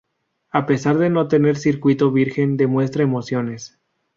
A pesar de no tener circuito virgen demuestra emociones.